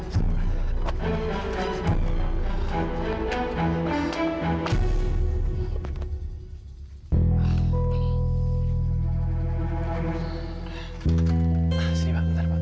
sini pak bentar pak